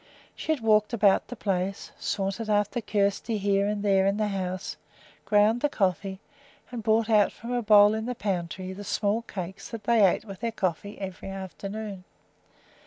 She had walked about the place, sauntered after Kjersti here and there in the house, ground the coffee, and brought out from a bowl in the pantry the small cakes that they ate with their coffee every afternoon.